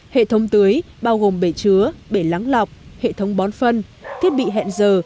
hệ thống tưới bao gồm bể chứa bể lắng lọc hệ thống bón phân thiết bị hẹn giờ